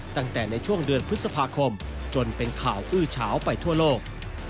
ตั้งแต่ในช่วงเดือนพฤษภาคมจนเป็นข่าวอื้อเฉาไปทั่วโลก